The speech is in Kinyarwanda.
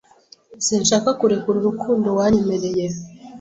Sinshaka kurekura urukundo wanyemereye